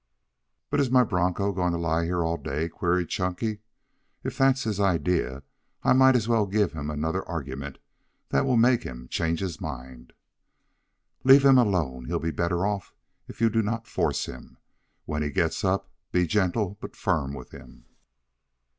"But is my broncho going to lie here all day?" queried Chunky. "If that's his idea I might as well give him another argument that will make him change his mind." "Let him alone. He'll be better off if you do not force him. When he gets up be gentle but firm with him."